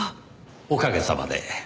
おかげさまで。